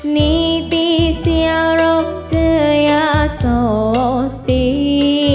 นี้ตรีเชียวรอบเจออย่าสัสซี